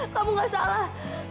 kamu gak salah